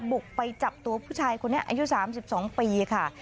บุกไปจับตัวผู้ชายคนนี้อายุ๓๒ปีค่ะ